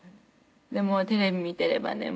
でもうテレビ見てればね